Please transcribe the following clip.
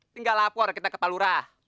tinggal lapor kita ke palura